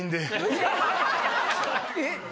えっ？